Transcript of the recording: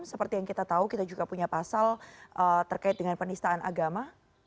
seperti yang kita tahu kita juga punya pasal terkait dengan penistaan agama